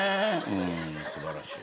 うん素晴らしい。